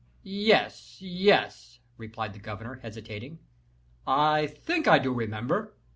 "Yes, yes," replied the governor, hesitating; "I think I do remember."